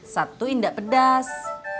satu indah pedas